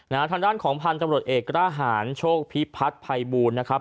น่าทางด้านของพันธุ์สมรสเอกร่าหารโชคพิพัฒน์ไพบูนนะครับ